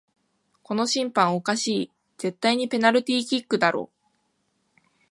この審判おかしい、絶対にペナルティーキックだろ